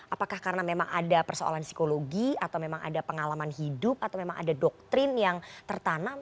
apakah karena memang ada persoalan psikologi atau memang ada pengalaman hidup atau memang ada doktrin yang tertanam